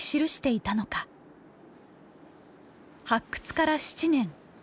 発掘から７年。